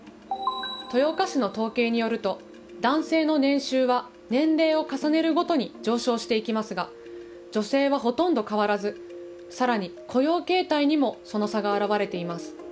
豊岡市の統計によると男性の年収は年齢を重ねるごとに上昇していきますが女性は、ほとんど変わらずさらに雇用形態にもその差が表れています。